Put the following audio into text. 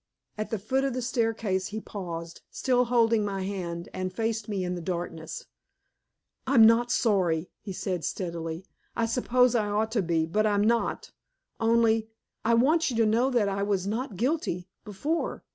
At the foot of the staircase he paused, still holding my hand, and faced me in the darkness. "I'm not sorry," he said steadily. "I suppose I ought to be, but I'm not. Only I want you to know that I was not guilty before.